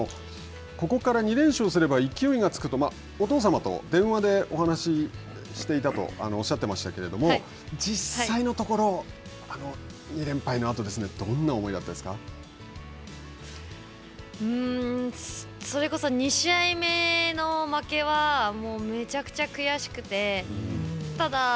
ここから２連勝すれば勢いがつくとお父様と電話でお話ししていたとおっしゃってましたけれども実際のところ２連敗のあとそれこそ２試合目の負けはめちゃくちゃ悔しくて。